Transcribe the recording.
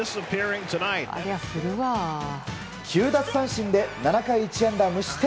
９奪三振で７回１安打無失点。